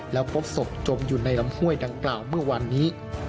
แล้วพบศพจมอยู่ในลำห้วยดังกล่าวเมื่อวันนี้